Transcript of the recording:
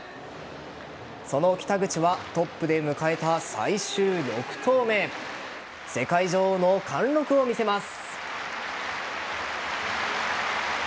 その北口はトップで迎えた最終６投目世界女王の貫禄を見せます。